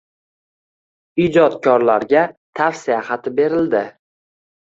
Ijodkorlarga tavsiya xati berildi.